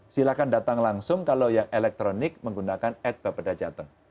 silahkan datang langsung kalau yang elektronik menggunakan adbap pada jatuh